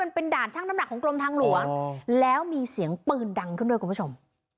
เป็นด่านช่างน้ำหนักของกรมทางหลวงแล้วมีเสียงปืนดังขึ้นด้วยคุณผู้ชม